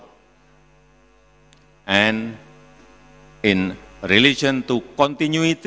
dan berhubungan dengan kontinuasi